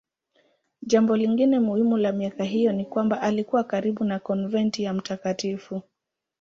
Jambo lingine muhimu la miaka hiyo ni kwamba alikuwa karibu na konventi ya Mt.